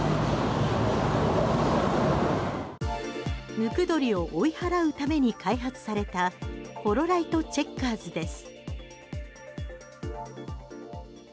ムクドリを追い払うために開発されたホロライト・チェッカーズです。